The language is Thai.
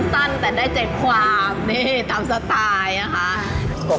สั้นแต่ได้ใจความนี่ตามสไตล์นะคะ